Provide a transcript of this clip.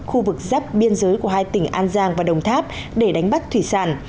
khu vực giáp biên giới của hai tỉnh an giang và đồng tháp để đánh bắt thủy sản